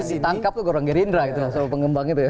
tidak salah ditangkap itu gorong gerindra soal pengembang itu ya